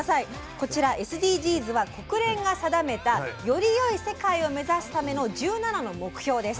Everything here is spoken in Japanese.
こちらＳＤＧｓは国連が定めたよりよい世界を目指すための１７の目標です。